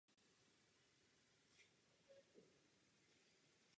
Kromě historického centra má Offenbach devět dalších městských částí.